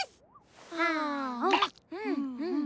あーんうんうん。